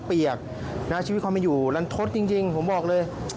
เปียกนะชีวิตความไม่อยู่ลันทศจริงผมบอกเลย